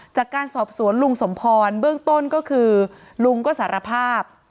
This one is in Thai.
จากการสอบสวนลุงสมพรเบื้องต้นก็คือลุงก็สารภาพ